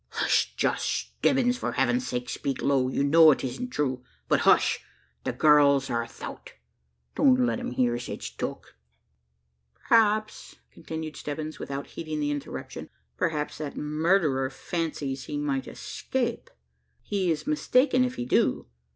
"Hush! Josh Stebbins for Heaven's sake, speak low! You know it isn't true but, hush! the gurls are 'thout. Don't let them hear sech talk!" "Perhaps," continued Stebbins, without heeding the interruption, "perhaps that murderer fancies he might escape. He is mistaken if he do.